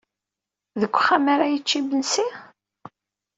Deg uxxam ara yečč imensi?